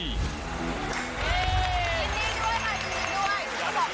ยินดีด้วยค่ะยินดีด้วย